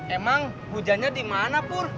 emang hujannya dimana pur